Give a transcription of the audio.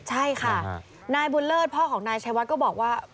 ใช่ค่ะนายบุญเลิศพ่อของนายชัยวัดก็บอกว่า